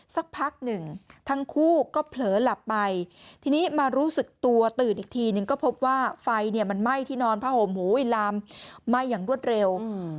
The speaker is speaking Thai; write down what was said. สักพักหนึ่งทั้งคู่ก็เผลอหลับไปทีนี้มารู้สึกตัวตื่นอีกทีนึงก็พบว่าไฟเนี่ยมันไหม้ที่นอนผ้าห่มหูลามไหม้อย่างรวดเร็ว